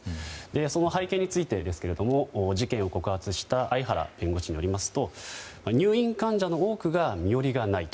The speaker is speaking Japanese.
その背景についてですが事件を告発した相原弁護士によりますと入院患者の多くが身寄りがないと。